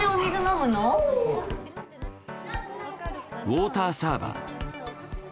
ウォーターサーバー。